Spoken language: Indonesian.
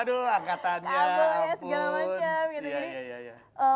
aduh ya segala macam